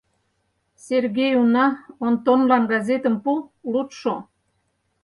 Сергей уна, Онтонлан газететым пу, лудшо...